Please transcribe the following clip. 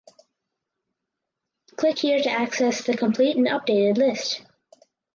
Click here to access the complete and updated list.